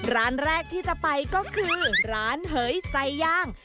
ร้านแรกที่จะไปก็คือร้านเหยไส้ย่าง